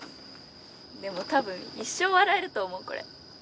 でも多分一生笑えると思うこれ。